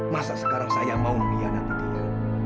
masa sekarang saya mau mengkhianati dia